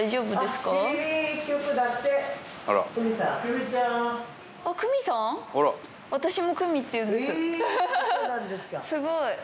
すごい。